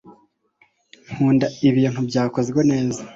nkunda ibintu byakozwe neza